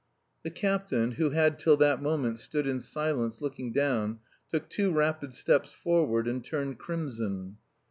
The captain, who had till that moment stood in silence looking down, took two rapid steps forward and turned crimson.